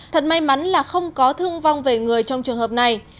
thật may mắn là không có thương vong về người trong trường hợp này